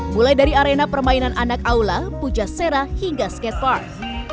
mulai dari arena permainan anak aula puja sera hingga skatepark